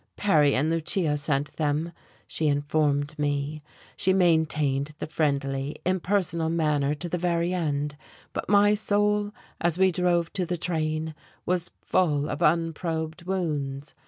"Perry and Lucia sent them," she informed me. She maintained the friendly, impersonal manner to the very end; but my soul, as we drove to the train, was full of un probed wounds.